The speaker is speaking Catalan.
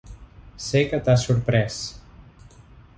Sé que t'ha sorprès.